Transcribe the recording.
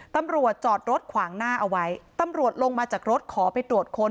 ตำรวจจอดรถขวางหน้าเอาไว้ตำรวจลงมาจากรถขอไปตรวจค้น